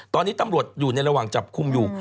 ตอนนี้ตำรวจอยู่ในระหว่างจับคุมอยู่